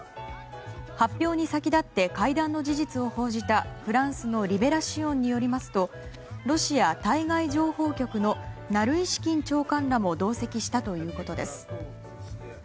発表に先立って会談の事実を報じたフランスのリベラシオンによりますとロシア対外情報局のナルイシキン長官らも同席したということです。